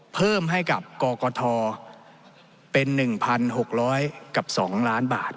เพิ่มให้กับกกทเป็น๑๖๐๐กับ๒ล้านบาท